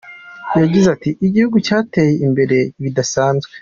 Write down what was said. Yagize ati “Igihugu cyateye imbere bidasanzwe!